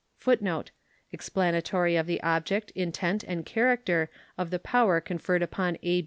[Footnote 103: Explanatory of the object, intent, and character of the power conferred upon A.